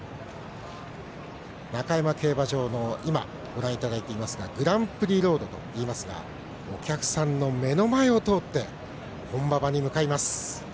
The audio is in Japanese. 中山競馬場をご覧いただいていますがグランプリロードといいますがお客さんの目の前を通って本馬場に向かいます。